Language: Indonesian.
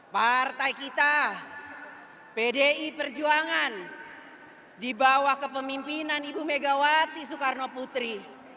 partai kita pdi perjuangan di bawah kepemimpinan ibu megawati soekarno putri